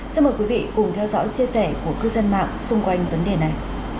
xin mời quý vị cùng theo dõi chia sẻ của cư dân mạng xung quanh vấn đề này